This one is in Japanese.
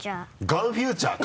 ガンフューチャー？